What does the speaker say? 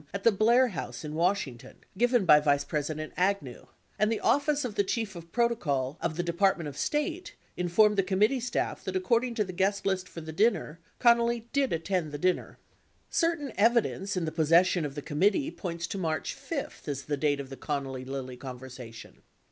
at the Blair House in Washington given by Vice President Agnew, and the Office of the Chief of Protocol of the De partment of State informed the committee staff that according to the guest list for the dinner, Connally did attend the dinner. 64 Certain evidence in the possession of the committee points to March 5 as the date of the Connally Lilly conversation.